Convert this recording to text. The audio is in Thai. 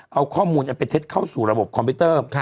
เอาข้อมูลไปเท็จเข้าสู่ระบบคอมพิวเตอร์